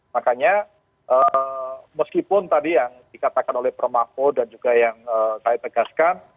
makanya meskipun tadi yang dikatakan oleh prof mahfud dan juga yang saya tegaskan